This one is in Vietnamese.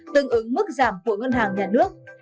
tương ứng mức giảm của ngân hàng nhà nước